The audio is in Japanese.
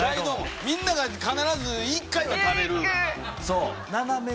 みんなが必ず１回は食べる。